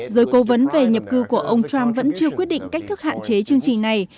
giới cố vấn về nhập cư của ông trump vẫn chưa quyết định cách thức hạn chế chương trình này